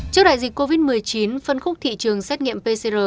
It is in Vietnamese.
trước đại dịch covid một mươi chín phân khúc thị trường xét nghiệm pcr